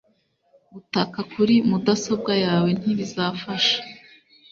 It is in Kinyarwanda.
Gutaka kuri mudasobwa yawe ntibizafasha.